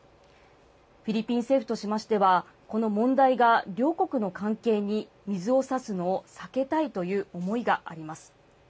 フィリピン政府としましては、この問題が、両国の関係に水をさすのを避けたいという思いがあります。